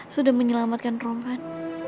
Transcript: sudah menyelamatkan roman